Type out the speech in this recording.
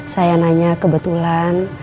saya nanya kebetulan